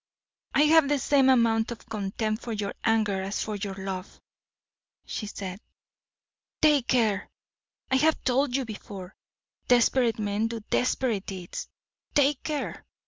"I have the same amount of contempt for your anger as for your love," she said. "Take care! I have told you before, desperate men do desperate deeds. Take care!